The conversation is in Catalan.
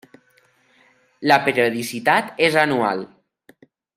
La periodicitat és anual.